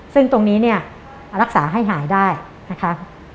ซึ่งตรงนี้เนี่ยรักษาให้หายได้นะคะ